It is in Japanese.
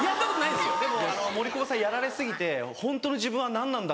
でも森久保さんやられ過ぎてホントの自分は何なんだ？